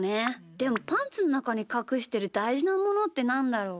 でもパンツのなかにかくしてるだいじなものってなんだろう？